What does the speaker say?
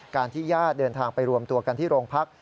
ที่ญาติเดินทางไปรวมตัวกันที่โรงพัก